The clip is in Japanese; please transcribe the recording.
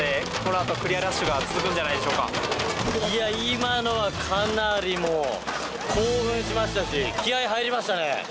今のはかなり興奮しましたし、気合い入りましたね。